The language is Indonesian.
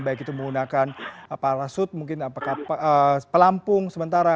baik itu menggunakan parasut mungkin apakah pelampung sementara